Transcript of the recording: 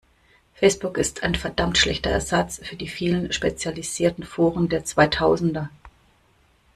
Facebook ist ein verdammt schlechter Ersatz für die vielen spezialisierten Foren der zweitausender.